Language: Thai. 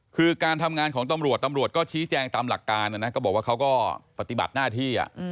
คือการทำงานของตำรวจตำรวจก็ชี้แจงตามหลักการนะนะก็บอกว่าเขาก็ปฏิบัติหน้าที่